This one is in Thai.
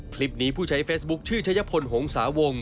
คลิปนี้ผู้ใช้เฟซบุ๊คชื่อชายพลหงษาวง